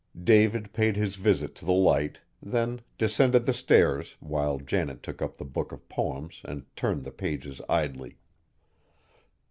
David paid his visit to the Light, then descended the stairs, while Janet took up the book of poems and turned the pages idly.